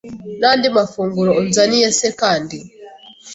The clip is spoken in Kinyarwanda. nandi mafunguro unzaniye se kandi